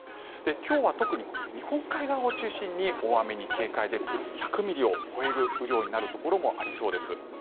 今日は特に日本海側を中心に大雨に警戒で１００ミリを超える雨量になるところもありそうです。